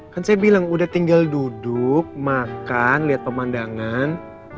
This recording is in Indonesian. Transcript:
kan saya bilang udah tinggal duduk makan lihat pemandangan